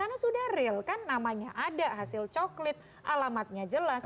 karena sudah real kan namanya ada hasil coklit alamatnya jelas